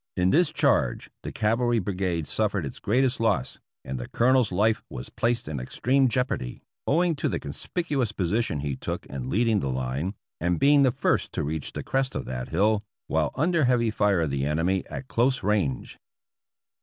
In this charge the Cavalry Brigade suffered its greatest loss, and the Colonel's life was placed in extreme jeopardy, owing to the conspicuous position he took in leading the line, and being the first to reach the crest of that hill, while under heavy fire of the enemy at close range.